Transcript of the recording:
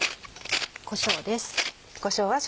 こしょうです。